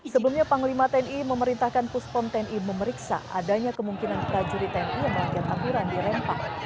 sebelumnya panglima tni memerintahkan puspom tni memeriksa adanya kemungkinan prajurit tni yang melanggar aturan di rempah